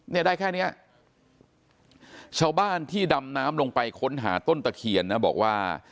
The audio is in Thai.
เนี่ยได้แค่เนี้ยชาวบ้านที่ดำน้ำลงไปค้นหาต้นตะเคียนนะบอกว่า